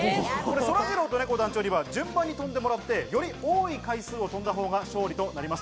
そらジローとねこ団長には順番に跳んでもらって、より多い回数を跳んだほうが勝利となります。